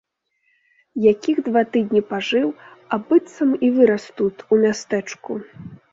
Якіх два тыдні пажыў, а быццам і вырас тут, у мястэчку.